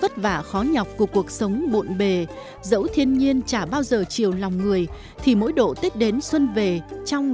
tất cả các cái hạng mục hư hỏng